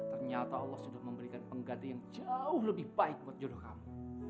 ternyata allah sudah memberikan pengganti yang jauh lebih baik buat jodoh kamu